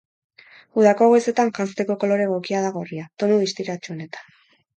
Udako goizetan janzteko kolore egokia da gorria, tonu distiratsuenetan.